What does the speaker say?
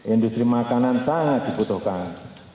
industri makanan sangat dibutuhkan